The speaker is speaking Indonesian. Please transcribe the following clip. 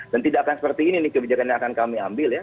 dan tidak akan seperti ini nih kebijakan yang akan kami ambil ya